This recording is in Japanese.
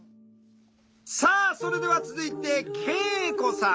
さあそれでは続いて圭永子さん。